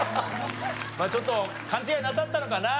まあちょっと勘違いなさったのかな？